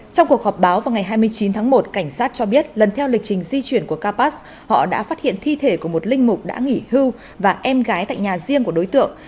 trong cuộc họp báo vào ngày hai mươi chín tháng một cảnh sát cho biết lần theo lịch trình di chuyển của karpas họ đã phát hiện thi thể của một linh mục đã nghỉ hưu và em gái tại nhà riêng của đối tượng